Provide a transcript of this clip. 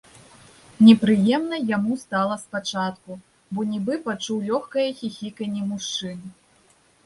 Непрыемна яму стала спачатку, бо нібы пачуў лёгкае хіхіканне мужчын.